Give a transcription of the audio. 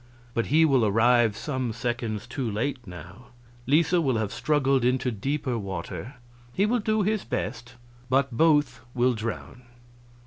But he will arrive some seconds too late, now; Lisa will have struggled into deeper water. He will do his best, but both will drown."